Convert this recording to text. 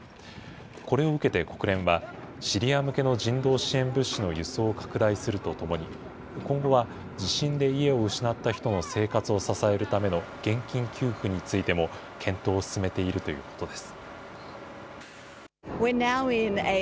これを受けて国連は、シリア向けの人道支援物資の輸送を拡大するとともに、今後は地震で家を失った人の生活を支えるための現金給付についても、検討を進めているということです。